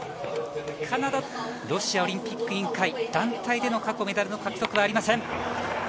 ロシアオリンピック委員会、団体での過去メダルの獲得はありません。